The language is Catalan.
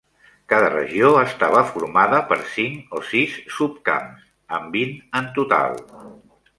Cada regió estava formada per cinc o sis subcamps, amb vint en total.